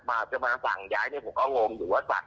เขาเป็นรัฐราชการเขาเป็นทหารอากาศ